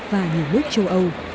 và nhiều nước châu âu